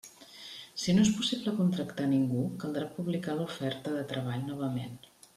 Si no és possible contractar a ningú, caldrà publicar l'oferta de treball novament.